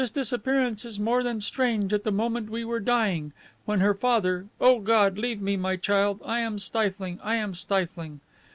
This disappearance is more than strange at the moment we were dying, when her father O God! Leave me, my child; I am stifling; I am stifling."